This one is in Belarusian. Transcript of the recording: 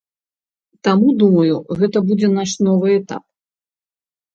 Таму, думаю, гэта будзе наш новы этап.